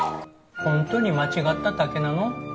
ホントに間違っただけなの？